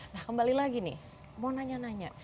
nah kembali lagi nih mau nanya nanya